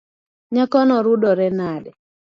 Nyakono rudore nade.